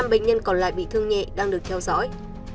năm bệnh nhân còn lại bị thương nhẹ đang được theo dõi